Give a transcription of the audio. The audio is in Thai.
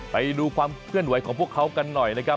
ไปดูความเคลื่อนไหวของพวกเขากันหน่อยนะครับ